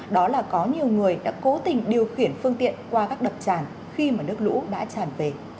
đó là có nhiều người đã cố tình điều khiển phương tiện qua các đập tràn khi mà nước lũ đã tràn về